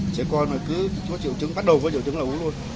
trẻ con cứ có triệu chứng bắt đầu với triệu chứng là uống luôn